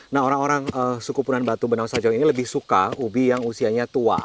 nah orang orang suku punan batu benausajo ini lebih suka ubi yang usianya tua